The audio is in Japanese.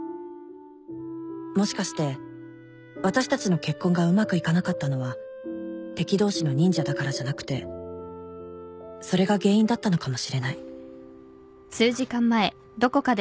「もしかして私たちの結婚がうまくいかなかったのは敵同士の忍者だからじゃなくてそれが原因だったのかも知れない」